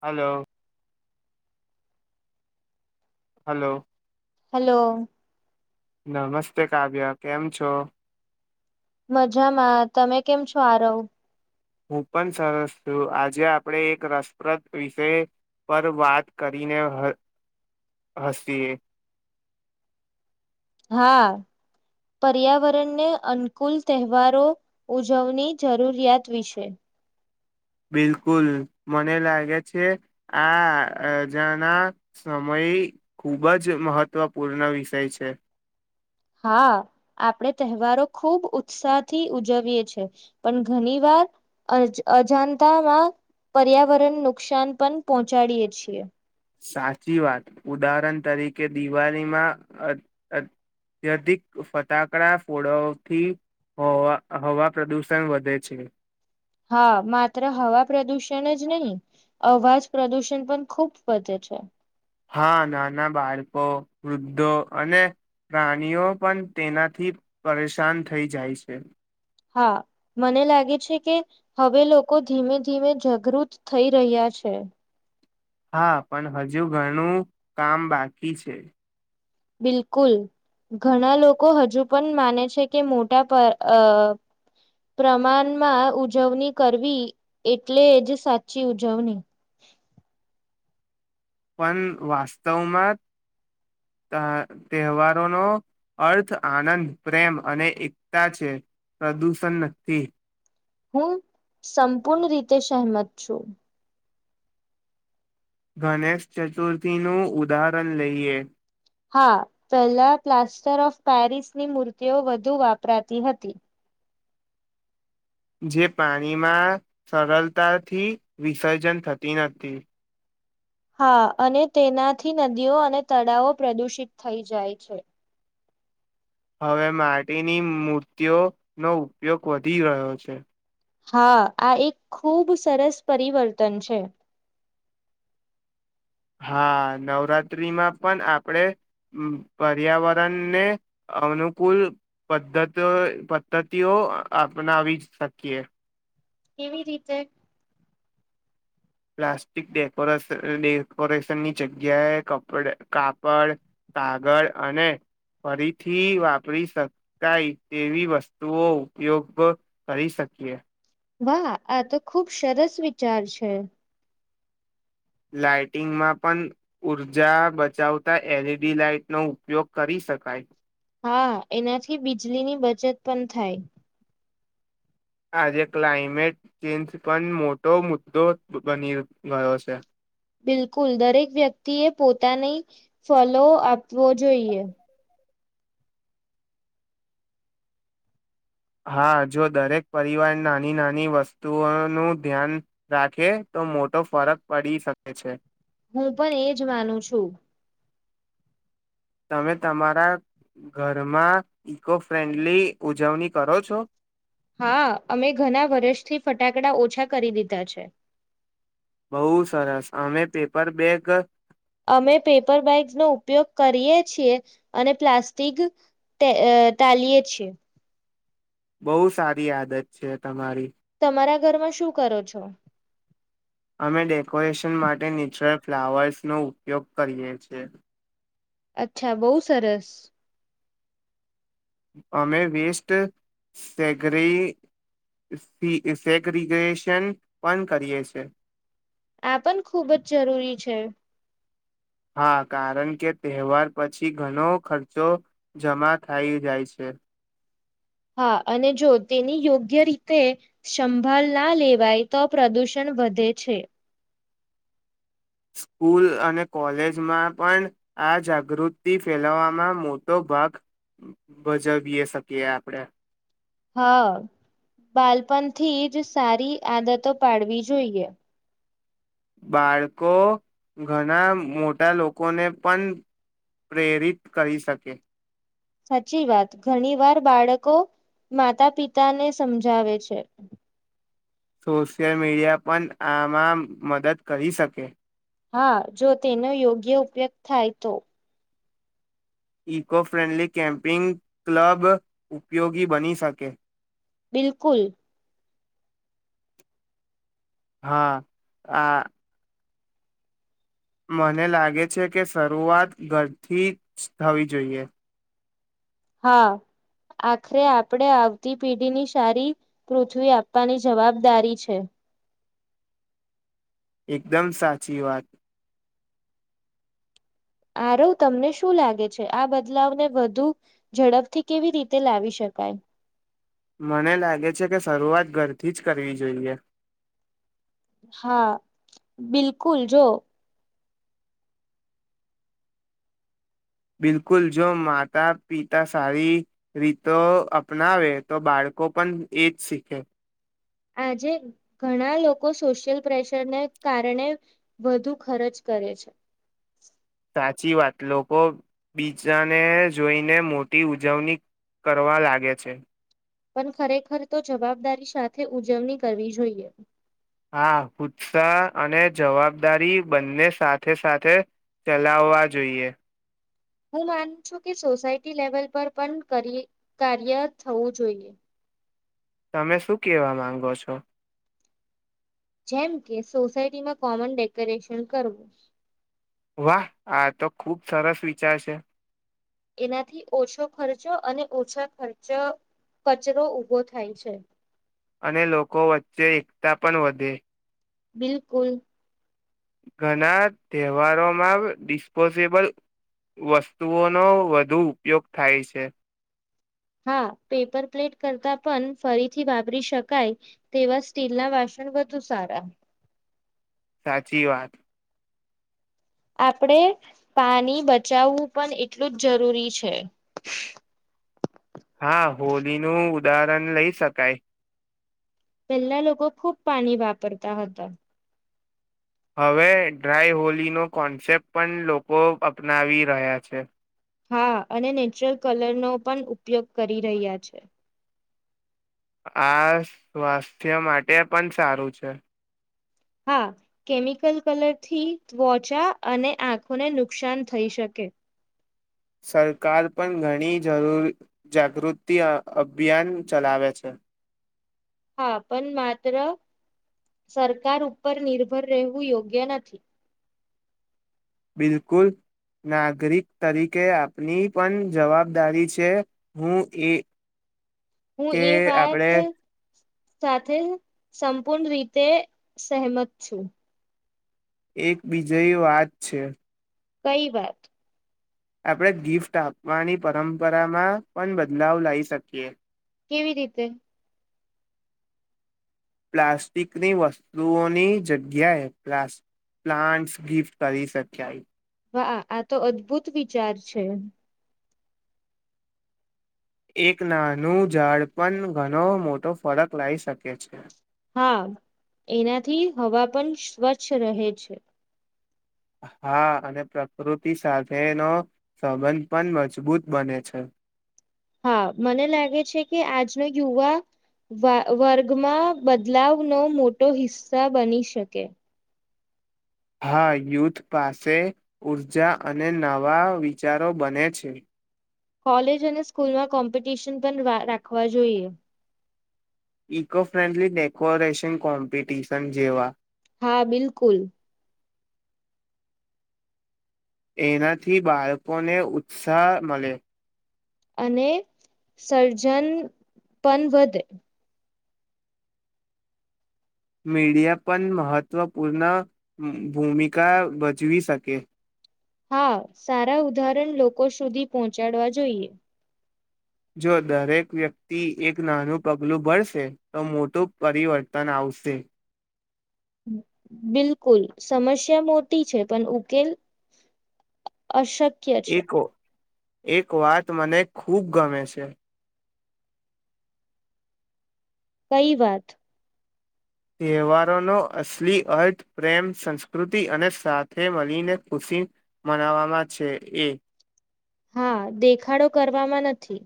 Hello hello hello નમસ્તે કાવ્ય કેમ છો મજામાં તમે કેમ છો આ રહો હું પણ સરસ છું આજે આપણે એક રસપ્રદ વિષય પર વાત કરીને હસીએ હા પર્યાવરણને અનુકુલ તહેવારો ઉજવની જરૂરિયાત વિશે બિલકુલ મને લાગે છે આ રજાના સમય ખૂબ જ મહત્વપૂર્ણ વિષય છે હા આપણે તહેવારો ખુબ ઉત્સાહથી ઉજવીએ છ છેએ પણ ઘણી વાર અજાણતામાં પર્યાવરણ નુકસાન પણ પહોંચાડીયએ છીએ સાચી વાત ઉદાહરણ તરીકે દિવાળીમાં અત્યધિક ફટાકડા ફોળોથી હવા હવા પ્રદુષણ વધે છે હા માત્ર હવા પ્રદુષણ જ નહીં અવાજ પ્રદુષણ પણ ખુબ વધે છે હા નાના બાળકો વૃદ્ધો અને પ્રાણીઓ પણ તેનાથી પરેશાન થઈ જાય છે હા મને લાગે છે કે હવે લોકો ધીમે ધીમે જાગૃત થઈ રહ્યા છે હા પણ હજુ ઘણું કામ બાકી છે બિલકુલ ઘણા લોકો હજુ પણ માને છે કે મોટા પ્રમાણમાં ઉજવણી કરવી એટલે જ સાચી ઉજવણી પણ વાસ્તવમાં તહેવારોનો અર્થ આનંદ પ્રેમ અને એકતા છે પ્રદૂષણ નથી હું સંપૂર્ણ રીતે સહમત છું ગણેશ ચતુર્થીનું ઉદાહરણ લઈએ હા પહેલા પ્લાસ્ટર ઓફ પેરિસની મૂર્તિઓ વધુ વાપરાતી હતી જે પાણીમાં સરળતાથી વિસર્જન થતી નથી હા અને તેનાથી નદીઓ અને તળાવો પ્રદૂષિત થઈ જાય છે હવે માટીની મૂર્તિઓનોો ઉપયોગ વધી રહ્યો છે હા આ એક ખૂબ સરસ પરિવર્તન છે હા નવરાત્ર્રીમાં પણ આપણે પર્યાવરણને અનુકૂળ પદ્ધતિ પદ્ધતિઓ અપનાવી શકીએ કેવી રીતે પ્લાસ્ટિક ડેકોરેસ ડેકોરેશનની જગ્યાએ કપડ કાપડ કાગળ અને ફરીથી વાપરી શકાય તેવી વસ્તુઓ ઉપયોગ કરી શકીએ વાહ આ તો ખુબ સરસ વિચાર છે લાાઈટિંગમાં પણ ઉઊર્જા બચાવતા એલઈડી લાાઈટનોો ઉપયોગ કરી શકાય હા એનાથી બીજળ ની બચત પણ થાય આજે ક્લાઇમેટ ચેન્જ પણ મોટો મુદ્દો બની ગયો છે બિલકુલ દરેક વ્યક્તિએ પોતાની ફોલો આપવો જોઈએ હા જો દરેક પરિવાર નાની નાની વસ્તુઓનું ધ્યાન રાખે તો મોટો ફરક પડી શકે છે હું પણ એજ માનું છું તમે તમારા ઘરમાં ઈકો ફ્રેન્ડલી ઉજવણી કરો છો હા અમે ઘણા વર્ષથી ફટાકડા ઓછા કરી દીધા છે બઉુ સરસ અમે પેપર બેગ અમે પેપર બેગ્સ નો ઉપયોગ કરીએ છીએ અને પ્લાસ્ટિક ટાલીયએ છીએ બહુ સારી આદત છે તમારી તમારા ઘરમાં શું કરો છો અમે ડેકોરેશન માટે નેચરલ ફ્લાવર્સનો ઉપયોગ કરીએ છીએ અચ્છા બહુ સરસ અમે વેસ્ટ સેગ્રીિગેશન પણ કરીએી આ પણ ખૂબ જ જરૂરી છે હા કારણ કે તહેવાર પછી ઘણો ખર્ચો જમા થાય જાય છે હા અને જો તેની યોગ્ય રીતે સંભાળ ના લેવાય તો પ્રદૂષણ વધે છે સ્કૂલ અને કોલેજમાં પણ આ જાગૃતિ ફેલાવવામાં મોટો ભાગ ભજવી શકીએ આપણે હા બાળપણથી જ સારી આદતો પાડવી જોઈએ બાળકો ઘણા મોટા લોકોને પણ પ્રેરિત કરી શકે સાચી વાત ઘણી વાર બાળકો માતા પિતાને સમજાવે છે સોશિયલ મીડિયા પણ આમાં મદદ કરી શકે હા જો તેનો યોગ્ય ઉપયોગ થાય તો ઇકો ફ્રેન્ડલી કેમ્પિંગ ક્લબ ઉપયોગી બની શકે બિલકુલ હા આ મને લાગે છે કે શરૂઆત ઘરથી જ થવી જોઈએ હા આખરે આપણે આવતી પેઢીની સારી પૃથ્વી આપવાની જવાબદારી છે એકદમ સાચી વાત આરો તમને શું લાગે છે આ બદલાવને વધુ ઝડપથી કેવી રીતે લાવી શકાય મને લાગે છે કે શરૂઆત ઘરથી જ કરવી જોઈએ હા બિલકુલ જો બિલકુલ જો માતા પિતા સારી રીતો અપનાવે તો બાળકો પણ એજ શીખે આજે ઘણા લોકો સોશિયલ પ્રેશરને કારણે વધુ ખર્ચ કરે છે સાચી વાત લોકો બીજાને જોઈને મોટી ઉજવણી કરવા લાગે છે પણ ખરેખર તો જવાબદારી સાથે ઉજવણી કરવી જોઈએ હા ઉત્સા અને જવાબદારી બંને સાથે સાથે ચલાવવા જોઈએ હું માનું છું કે સોસાયટી લેવલ પર પણ કાર્ય થવું જોઈએ તમે શું કેવા માંગો છો જેમ કે સોસાયટીમાં કોમન ડેકોરેશન કરવું વાહ આ તો ખુબ સરસ વિચાર છે એનાથી ઓછો ખર્ચો અને ઓછા ખર્ચ કચરો ઉઊભો થાય છે અને લોકો વચ્ચે એકતા પણ વધે બિલકુલ ઘણા તહેવારોમાં ડિસ્પોઝેબલ વસ્તુઓનો વધુ ઉપયોગ થાય છે હા પેપર પ્લેટ કરતાં પણ ફરીથી વાપરી શકાય તેવા સ્ટીલ ના વાસણ વધુ સારા સાચી વાત આપણેે પાણી બચાવવું પણ એટલું જ જરૂરી છે હા હોલીનુંું ઉદાહરણ લઈ શકાય પહેલા લોકો ખુબ પાણી વાપરતા હતા હવે ડ્રાય હોલીનો કોન્સેપ્ટ પણ લોકો અપનાવી રહ્યા છે હા અને નેચરલ કલર નો પણ ઉપયોગ કરી રહ્યા છે આ સ્વાસ્થ્ય માટે પણ સારું છે હા કેમિકલ કલર થી ત્વચા અને આંખોને નુકસાન થઈ શકે સરકાર પણ ઘણી જરૂર જાગૃતિ અભિયાન ચલાવે છે હા પણ માત્ર સરકાર ઉપર નિર્ભર રહેવું યોગ્ય નથી બિલકુલ નાગરિક તરીકે આપની પણ જવાબદારી છે હું એ હું કે એ આપણે વાત સાથે સંપૂર્ણ રીતે સેહમત છું. એક બીજય વાત છે. કઈ વાત આપણે ગિફ્ટ આપવાની પરંપરામાં પણ બદલાવ લાવ શકીએ. કેવી રીતે પ્લાસ્ટિકની વસ્તુઓની જગ્યાએ પ્લાસ પ્લાન્ટ્સ ગિફ્ટ કરી શકાય વાહ આ તો અદ્ભુત વિચાર છે. એક નાનું ઝાડ પણ ઘણો મોટો ફરક લાવી શકે છે. હા એનાથી હવા પણ સ્વચ્છ રહે છે. હા અને પ્રકૃતિ સાથેનો સંબંધ પણ મજબૂત બને છે. હા મને લાગે છે કે આજનો યુવા વા વર્ગમાં બદલાવનો મોટો હિસ્સા બની શકે. હા યુથ પાસે ઊર્જા અને નવા વિચારો બને છે. કોલેજ અને સ્કૂલમાં કોમ્પિટિશન પણ વા રાખવા જોઈએ. ઇકો ફ્રેન્ડલી ડેકોરેશન કોમ્પિટિશન જેવા હા બિલકુલ એનાથી બાળકોને ઉત્સાહ મલે અને સર્જન પન વધે મીડિયા પન મહત્વપૂર્ણ ભૂમિકા ભજવી શકે. હા સારા ઉદાહરણ લોકો સુધી પહોંચાડવા જોઈએ. જો દરેક વ્યક્તિ એક નાનું પગલું ભરશે તો મોટું પરિવર્તન આવશે. બિલકુલ સમસ્યા મોટી છે પણ ઉકેલ અશ ક્ય છે. એક એક વાત મને ખૂબ ગમે છે. કઈ વાત તહેવારોનો અસલી અર્થ પ્રેમ સંસ્કૃતિ અને સાથે મળીને ખુશી મનાવામાં છે એ હા દેખાડો કરવામાં નથી.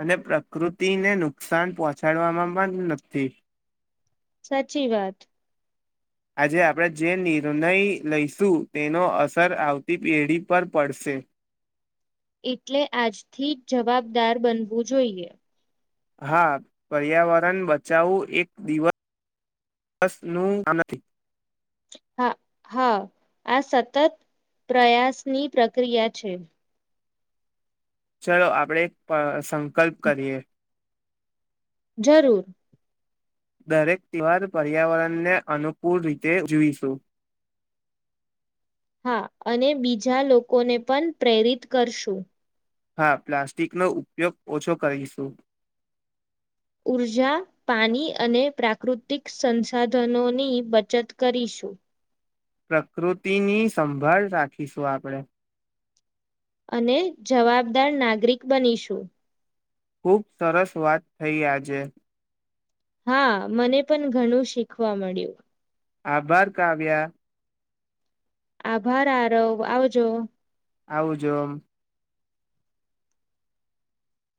અને પ્રકૃતિને નુકસાન પહોંચાડવામાં પણ નથી. સાચી વાત આજે આપણે જે નિર્ણય લઈશું તેનો અસર આવતી પેઢી પર પડશે. એટલે આજથી જવાબદાર બનવું જોઈએ. હા પર્યાવરણ બચાવવું એક દિવ વસનું નથી. હા હા આ સતત પ્રયાસની પ્રક્રિયા છે. ચલો આપડે પ સંક કલ્પ કરીએ. જરૂર દરેક તહેવાર પર્યાવરણને અનુકૂળ રીતે જીવીશું. હા અને બીજા લોકોને પન પ્રેરિત કરશું. હા પ્લાસ્ટિકનો ઉપયોગ ઓછો કરીશું. ઊર્જા પાણી અને પ્રાકૃતિક સંસાધનોની બચત કરીશું. પ્રકૃતિની સંભાળ રાખીશું આપણે અને જવાબદાર નાગરિક બનીશું. ખુબ સરસ વાત થઈ આજે હા મને પણ ઘણું શીખવા મળ્યું. આભાર કાવ્યા આભાર આરવ આવજો. આવ જોમ